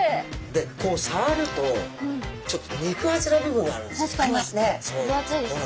でこうさわるとちょっと肉厚な部分があるんですよ。ありますね。